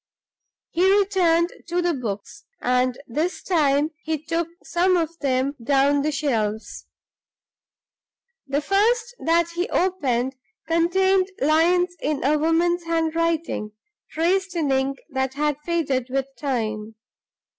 He returned to the books, and this time he took some of them down from the shelves. The first that he opened contained lines in a woman's handwriting, traced in ink that had faded with time.